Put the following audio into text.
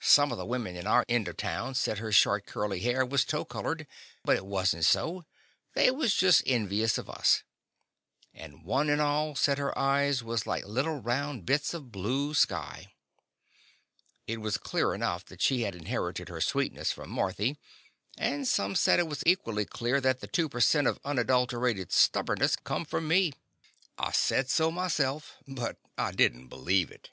Some of the The Confessions of a Daddy women in our end of town said her short, curly hair was tow colored, but it was n't so— they was just envious of us. And one and all said her eyes was like round little bits of blue sky. It was clear enough that she had in herited her sweetness from Marthy; and some said it was equal clear that the two per cent, of unadulterated stubbornness come from me. I said so myself, but I did n't believe it.